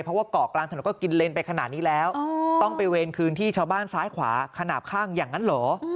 เพราะว่าเกาะกลางถนนก็กินเลนไปขนาดนี้แล้วต้องไปเวรคืนที่ชาวบ้านซ้ายขวาขนาดข้างอย่างนั้นเหรอ